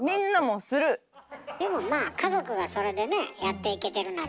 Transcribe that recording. でもまあ家族がそれでねやっていけてるなら。